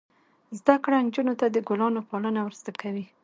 زده کړه نجونو ته د ګلانو پالنه ور زده کوي.